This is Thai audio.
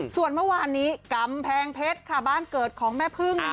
ส่วนเมื่อวานนี้กำแพงเพชรค่ะบ้านเกิดของแม่พึ่ง